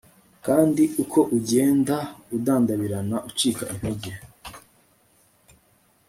kandi uko ugenda udandabirana ucika intege